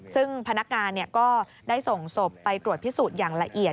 ซึ่งพนักงานก็ได้ส่งศพไปตรวจพิสูจน์อย่างละเอียด